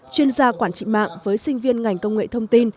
chuyên gia quản trị mạng với sinh viên ngành công nghệ thông tin